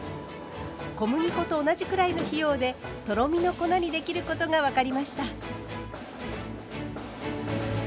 小麦粉と同じくらいの費用でとろみの粉にできることが分かりました。